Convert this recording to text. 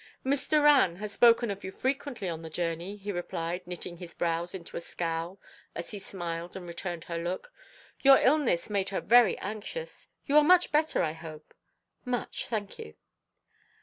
"Miss Doran has spoken of you frequently on the journey," he replied, knitting his brows into a scowl as he smiled and returned her look. "Your illness made her very anxious. You are much better, I hope?" "Much, thank you."